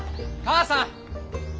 母さん！